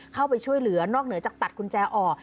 เข้าไปช่วยเหลือนอกเหนือจากตัดกุญแจออก